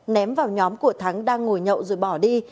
ném vào nhóm của thắng đang ngồi nhậu rồi bỏ đi